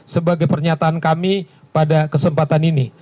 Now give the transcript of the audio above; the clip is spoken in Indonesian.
sebagai pernyataan kami pada kesempatan ini